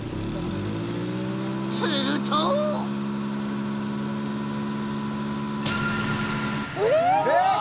するとえっ！？